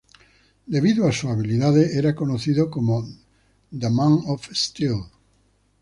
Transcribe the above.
Debido a sus habilidades era conocido como "The Man of Steal".